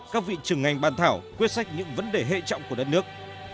các vị trưởng ngành bàn thảo quyết sách những vấn đề hệ trọng của đất nước